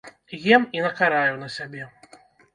Ем і накараю на сябе.